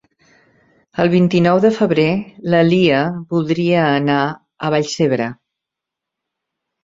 El vint-i-nou de febrer na Lia voldria anar a Vallcebre.